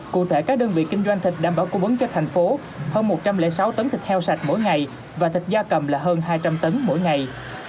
cụ thể các đơn vị kinh doanh thịt đảm bảo cung ứng cho thành phố hơn một trăm linh sáu tấn thịt heo sạch mỗi ngày và thịt da cầm là hơn hai trăm linh tấn mỗi ngày